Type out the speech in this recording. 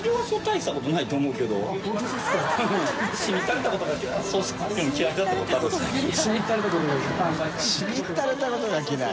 しみったれたことが嫌い」